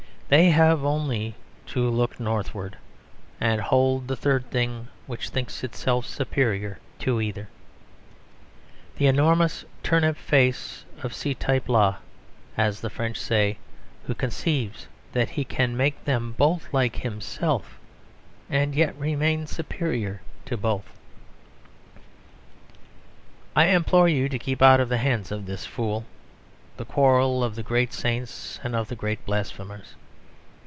They have only to look northward and hold the third thing, which thinks itself superior to either: the enormous turnip face of ce type là, as the French say, who conceives that he can make them both like himself and yet remain superior to both. I implore you to keep out of the hands of this Fool the quarrel of the great saints and of the great blasphemers.